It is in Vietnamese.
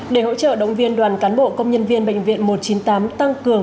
để hỗ trợ động viên đoàn cán bộ công nhân viên bệnh viện một trăm chín mươi tám tăng cường